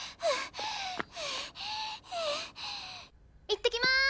いってきます！